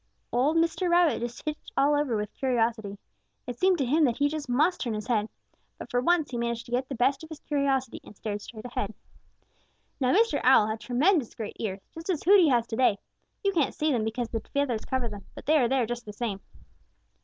Old Mr. Rabbit just itched all over with curiosity. It seemed to him that he just must turn his head. But for once he managed to get the best of his curiosity and stared straight ahead. "Now Mr. Owl had tremendous great ears, just as Hooty has to day. You can't see them because the feathers cover them, but they are there just the same."